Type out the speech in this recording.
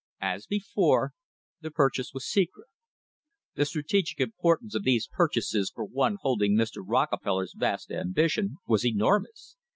As before, the purchase was secret. The strategic importance of these purchases for one holding Mr. Rockefeller's vast ambition was enormous.